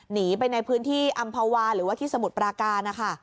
หนีไปในพื้นที่อำภาวาหรือว่าที่สมุทรปราการนะคะ